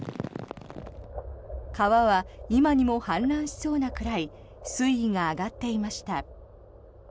川は今にも氾濫しそうなくらい水位が上がっていました。